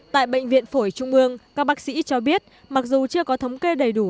tại bệnh viện phổi trung ương các bác sĩ cho biết mặc dù chưa có thống kê đầy đủ